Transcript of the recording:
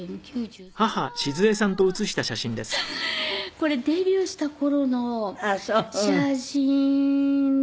これデビューした頃の写真ですね。